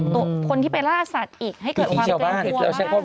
ตัวคนที่ไปล่าสัตว์อีกให้เกิดความเกลือป่ามาก